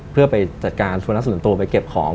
เพื่อไปจัดการสุนัขส่วนตัวไปเก็บของ